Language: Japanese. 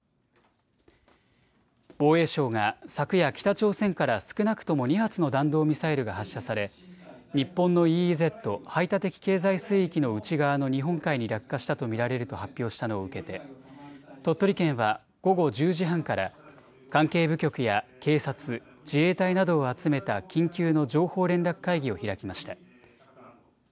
防衛省が昨夜、北朝鮮から少なくとも２発の弾道ミサイルが発射され日本のＥＥＺ・排他的経済水域の内側の日本海に落下したと見られると発表したのを受けて鳥取県は午後１０時半から関係部局や警察、自衛隊などを集めた緊急の情報連絡会議を開きました。